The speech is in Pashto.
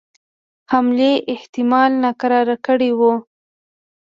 حملې احتمال ناکراره کړي وه.